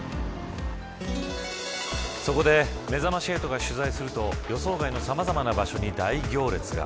そこでめざまし８が取材すると予想外のさまざまな場所に大行列が。